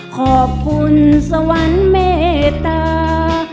ขอบคุณสวรรค์เมตตา